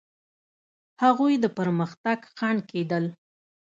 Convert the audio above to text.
هغوی د پرمختګ خنډ کېدل.